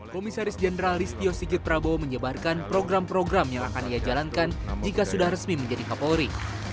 komisaris jenderal listio sigit prabowo menyebarkan program program yang akan ia jalankan jika sudah resmi menjadi kapolri